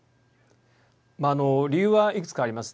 あの理由は、いくつかあります。